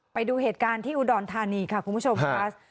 ไปดูเหตุการณ์อุดอนธานีคูมชมครับ